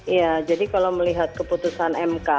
iya jadi kalau melihat keputusan mk